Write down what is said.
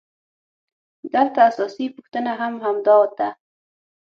دلته اساسي پوښتنه هم همدا ده